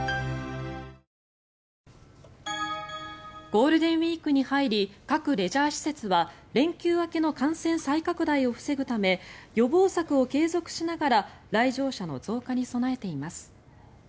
ゴールデンウィークに入り各レジャー施設は連休明けの感染再拡大を防ぐため予防策を継続しながら来場者の増加に備えています。